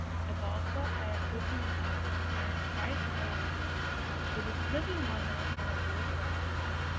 As also I had written it out fair twice over, it was little wonder that I knew it well.